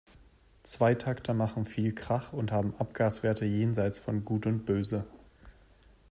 Zweitakter machen viel Krach und haben Abgaswerte jenseits von Gut und Böse.